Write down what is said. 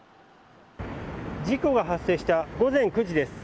事故が発生した午前９時です。